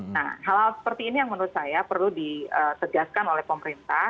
nah hal hal seperti ini yang menurut saya perlu ditegaskan oleh pemerintah